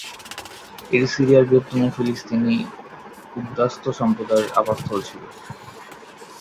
এটি সিরিয়ার বৃহত্তম ফিলিস্তিনি উদ্বাস্তু সম্প্রদায়ের আবাসস্থল ছিল।